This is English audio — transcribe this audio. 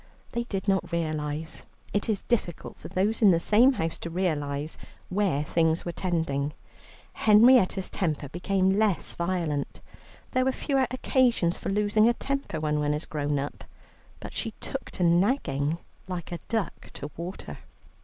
They did not realize, it is difficult for those in the same house to realize, where things were tending. Henrietta's temper became less violent; there are fewer occasions for losing a temper when one is grown up, but she took to nagging like a duck to water.